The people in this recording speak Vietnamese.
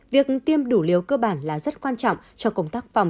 việc tiêm đủ liều cơ bản là rất quan trọng cho công tác phòng